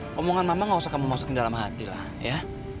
ngomongan mama nggak usah kamu masukin dalam hati lah ya